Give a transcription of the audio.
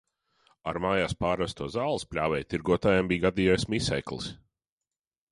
Ar mājās pārvesto zālespļāvēju tirgotājiem bija gadījies miseklis.